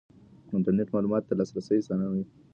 انټرنېټ معلوماتو ته لاسرسی اسانوي.